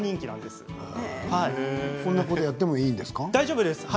こんなことやっても大丈夫です。